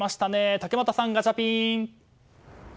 竹俣さん、ガチャピン！